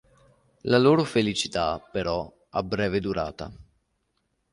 La loro felicità però ha breve durata.